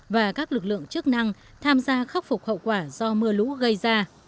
và các lực lượng chức năng tham gia khắc phục hậu quả do mưa lũ gây ra